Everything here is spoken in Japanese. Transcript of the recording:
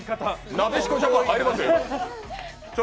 なでしこジャパン入れますよ。